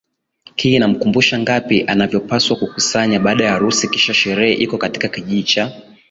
hii inamkumbusha ngapi anavyopaswa kukusanya baada ya harusi Kisha sherehe iko katika kijiji cha